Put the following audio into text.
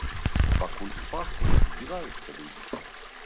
А пакуль у парку збіраюцца людзі.